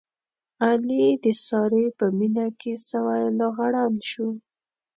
علي د سارې په مینه کې سوی لوغړن شو.